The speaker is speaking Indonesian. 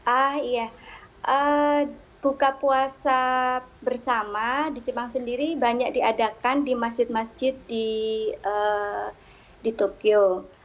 ah iya buka puasa bersama di jepang sendiri banyak diadakan di masjid masjid di tokyo